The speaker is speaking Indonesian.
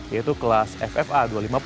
yaitu kelas ffa dua ratus lima puluh